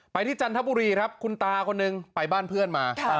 ที่จันทบุรีครับคุณตาคนนึงไปบ้านเพื่อนมา